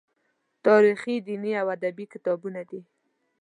تاریخي، دیني او ادبي کتابونه دي.